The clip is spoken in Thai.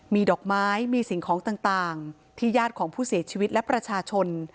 มีดอกไม้มีสิ่งของต่างที่ญาติของผู้เสียชีวิตและประชาชน